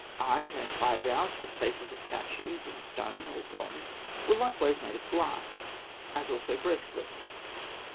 Eyes and eyebrows for the faces of statues in stone or bronze were likewise made of glass, as also bracelets.